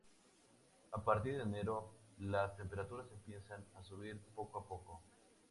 A partir de enero, las temperaturas empiezan a subir poco a poco.